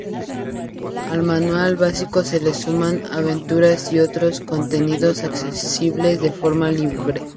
Al manual básico se le suman aventuras y otros contenidos accesibles de forma libre.